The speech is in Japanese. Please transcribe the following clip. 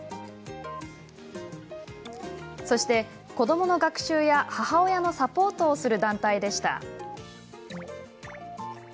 そして、子どもの学習や母親のサポートをする団体でした。